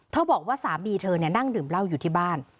บอกว่าสามีเธอนั่งดื่มเหล้าอยู่ที่บ้าน